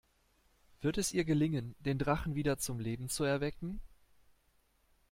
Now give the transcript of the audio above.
Wird es ihr gelingen, den Drachen wieder zum Leben zu erwecken?